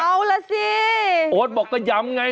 เอาล่ะสิโอ๊ตบอกก็ย้ำไง